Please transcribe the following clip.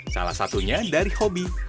salah satunya dari hobi